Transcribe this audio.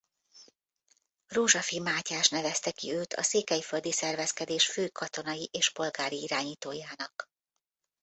Rózsafi Mátyás nevezte ki őt a székelyföldi szervezkedés fő katonai és polgári irányítójának.